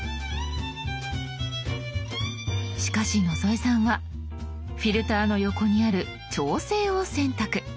しかし野添さんは「フィルター」の横にある「調整」を選択。